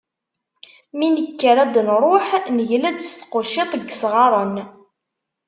Mi nekker ad d-nruḥ negla-d s tquciḍt n yisɣaren.